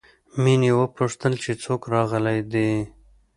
مينې وپوښتل چې څوک راغلي دي